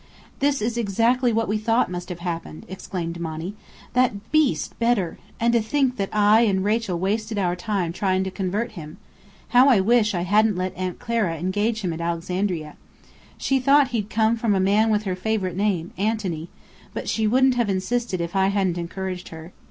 "This is exactly what we thought must have happened!" exclaimed Monny. "That beast, Bedr! And to think that Rachel and I wasted our time trying to convert him! How I wish I hadn't let Aunt Clara engage him at Alexandria! She thought he'd come from a man with her favourite name, Antony: but she wouldn't have insisted if I hadn't encouraged her.